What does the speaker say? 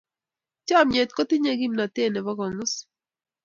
Chomnyet kotinyei kimnatet nebo kong'us.